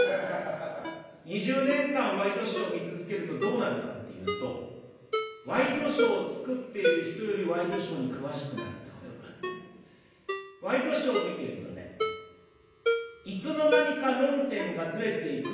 ２０年間ワイドショー見続けるとどうなるかっていうとワイドショーを作っている人よりワイドショーに詳しくなるってことがあってワイドショーを見ているとねいつの間にか論点がズレていくってことがよくある。